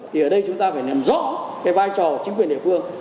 thì ở đây chúng ta phải nằm rõ cái vai trò chính quyền địa phương